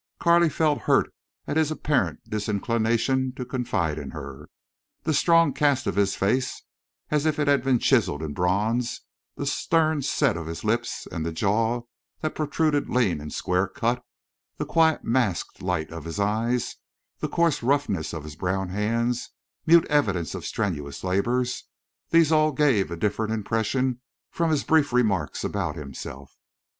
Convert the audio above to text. Carley felt hurt at his apparent disinclination to confide in her. The strong cast of his face, as if it had been chiseled in bronze; the stern set of his lips and the jaw that protruded lean and square cut; the quiet masked light of his eyes; the coarse roughness of his brown hands, mute evidence of strenuous labors—these all gave a different impression from his brief remarks about himself.